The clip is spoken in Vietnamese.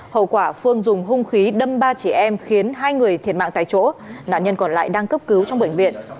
hậu quả phương dùng hung khí đâm ba chị em khiến hai người thiệt mạng tại chỗ nạn nhân còn lại đang cấp cứu trong bệnh viện